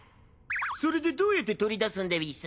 それでどうやって取り出すんでうぃす？